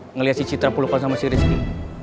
ngeliat si citra puluh puluh sama si rizky